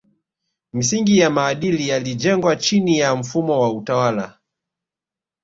Misingi ya maadili yalijengwa chini ya mfumo wa utawala